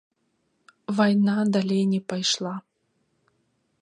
Вайна далей не пайшла.